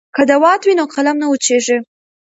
که دوات وي نو قلم نه وچیږي.